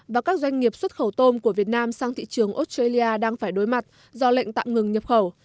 và các doanh nghiệp xuất khẩu tôm của việt nam sang thị trường australia đang phải đối mặt do lệnh tạm ngừng nhập khẩu